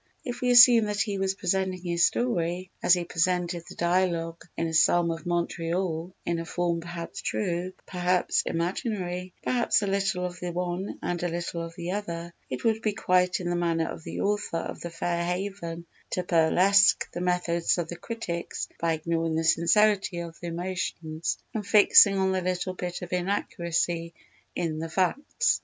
If we assume that he was presenting his story as he presented the dialogue in "A Psalm of Montreal" in a form "perhaps true, perhaps imaginary, perhaps a little of the one and a little of the other," it would be quite in the manner of the author of The Fair Haven _to burlesque the methods of the critics by ignoring the sincerity of the emotions and fixing on the little bit of inaccuracy in the facts_.